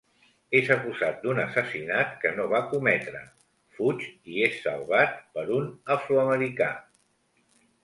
És acusat d'un assassinat que no va cometre, fuig i és salvat per un afroamericà.